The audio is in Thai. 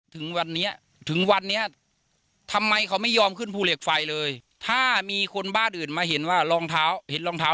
ถึงวันนี้ถึงวันนี้ทำไมเขาไม่ยอมขึ้นภูเหล็กไฟเลยถ้ามีคนบ้านอื่นมาเห็นว่ารองเท้าเห็นรองเท้า